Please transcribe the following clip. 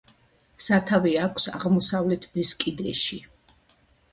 სათავე აქვს აღმოსავლეთ ბესკიდებში.